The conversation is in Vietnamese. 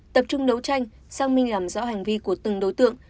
tập trung đấu tranh sang minh làm rõ hành vi của từng đối tượng